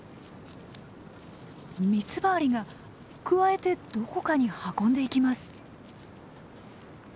ミツバアリがくわえてどこかに運んでいきます。